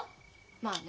まあね。